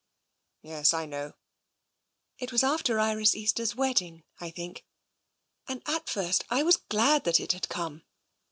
"" Yes, I know." " It was after Iris Easter's wedding, I think. And at first I was glad that it had come.